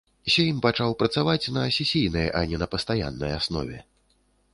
Сейм пачаў працаваць на сесійнай, а не на пастаяннай аснове.